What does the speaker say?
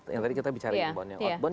yang tadi kita bicara bebannya outbound